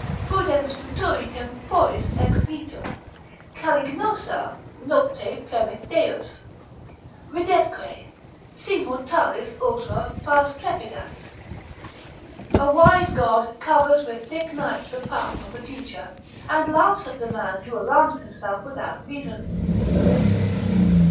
"Prudens futuri temporis exitum Caliginosa nocte premit Deus, Ridetque, si mortalis ultra Fas trepidat." ["A wise God covers with thick night the path of the future, and laughs at the man who alarms himself without reason."